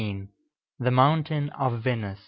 The Mountain of Venus.